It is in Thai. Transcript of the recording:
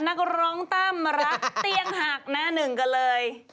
นักร้องตั้มรักเตียงหักหน้าหนึ่งกันเลย